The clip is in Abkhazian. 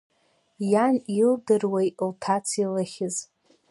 Иан илдыруеи лҭаца илыхьыз!